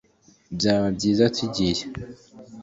Byaba byiza tugiye